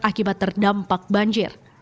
akibat terdampak banjir